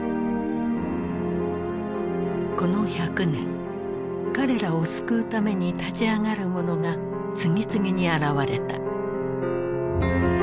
この１００年彼らを救うために立ち上がる者が次々に現れた。